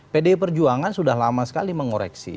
pdi perjuangan sudah lama sekali mengoreksi